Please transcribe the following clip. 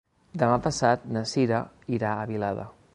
Demà passat na Sira irà a Vilada.